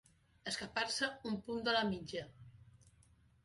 Escapar-se un punt de la mitja.